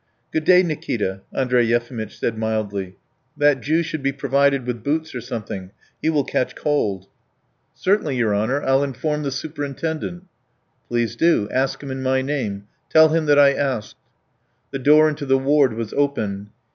"Good day, Nikita," Andrey Yefimitch said mildly. "That Jew should be provided with boots or something, he will catch cold." "Certainly, your honour. I'll inform the superintendent." "Please do; ask him in my name. Tell him that I asked." The door into the ward was open.